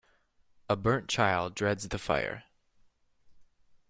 A burnt child dreads the fire.